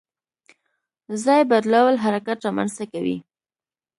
ځای بدلول حرکت رامنځته کوي.